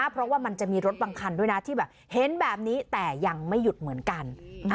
เพราะว่ามันจะมีรถบางคันด้วยนะที่แบบเห็นแบบนี้แต่ยังไม่หยุดเหมือนกัน